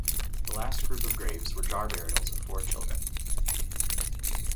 The last group of graves were jar burials of four children.